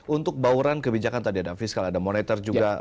untuk bauran kebijakan tadi ada fiskal ada monitor juga